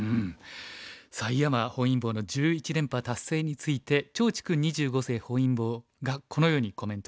さあ井山本因坊の１１連覇達成について趙治勲二十五世本因坊がこのようにコメントされています。